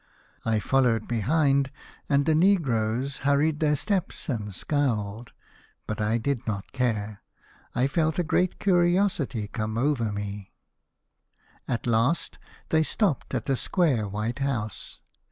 I followed behind, and the negroes hurried their steps and scowled. But I did not care. 1 felt a great curiosity come over me. ioo The Fisherman and his Soul. " At last they stopped at a square white house.